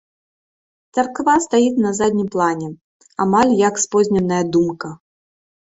Царква стаіць на заднім плане, амаль як спозненая думка.